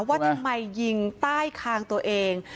ว่าทำไมยิงใต้คางตัวเอง